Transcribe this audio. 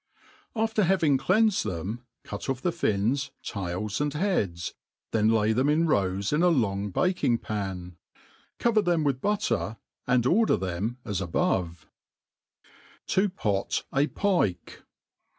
AFTEtt hiving cleiafed them, cut off the fios^ taiit, and heads, then Jay them in rows in a long bakiiig ^an i covef Ibem with buttery and order them as abc^a ti p9i a Piii.